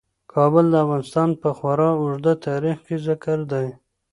کابل د افغانستان په خورا اوږده تاریخ کې ذکر دی.